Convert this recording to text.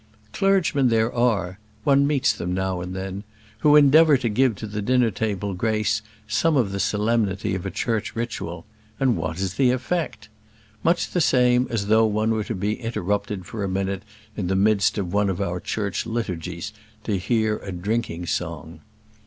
Clergymen there are one meets them now and then who endeavour to give to the dinner table grace some of the solemnity of a church ritual, and what is the effect? Much the same as though one were to be interrupted for a minute in the midst of one of our church liturgies to hear a drinking song.